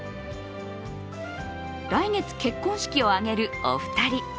来月、結婚式を挙げるお二人。